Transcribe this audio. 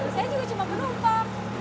saya juga cuma belompok